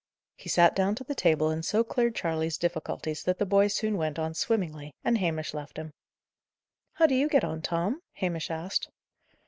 He sat down to the table and so cleared Charley's difficulties that the boy soon went on swimmingly, and Hamish left him. "How do you get on, Tom?" Hamish asked.